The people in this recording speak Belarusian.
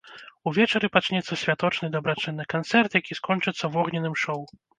Увечары пачнецца святочны дабрачынны канцэрт, які скончыцца вогненным шоў.